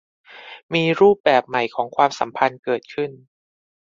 มีรูปแบบใหม่ของความสัมพันธ์เกิดขึ้น